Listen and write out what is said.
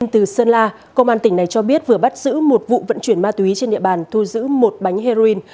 từ sơn la công an tỉnh này cho biết vừa bắt giữ một vụ vận chuyển ma túy trên địa bàn thu giữ một bánh heroin